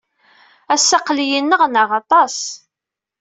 Ass-a, aql-iyi nneɣnaɣ aṭas.